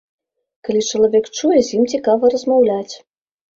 Калі чалавек чуе, з ім цікава размаўляць.